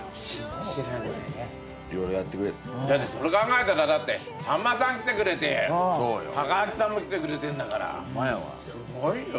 それ考えたらだってさんまさん来てくれて貴明さんも来てくれてんだからすごいよ。